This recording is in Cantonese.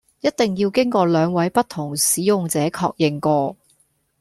一定要經過兩位不同使用者確認過